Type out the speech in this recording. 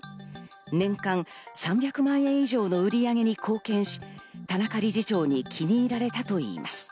年間３００万円以上の売り上げに貢献し、田中理事長に気に入られたといいます。